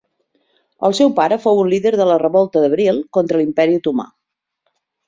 El seu pare fou un líder de la revolta d'abril contra l'Imperi Otomà.